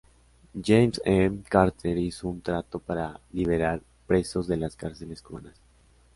James E. Carter hizo un trato para liberar presos de las cárceles cubanas.